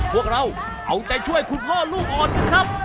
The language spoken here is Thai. พวกเราเอาใจช่วยคุณพ่อลูกอ่อนกันครับ